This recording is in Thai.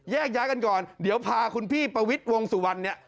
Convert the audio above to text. แยกย้ายกันก่อนเดี๋ยวพาคุณพี่ประวิทย์วงสุวรรณเนี่ย